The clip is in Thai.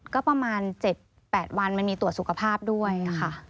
ก็ประมาณ๗๘วันมันมีตรวจสุขภาพด้วยค่ะ